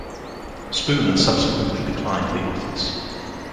Spooner subsequently declined the office.